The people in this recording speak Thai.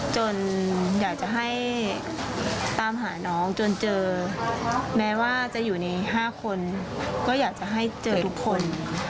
อยากจะให้ตามหาน้องจนเจอแม้ว่าจะอยู่ใน๕คนก็อยากจะให้เจอทุกคน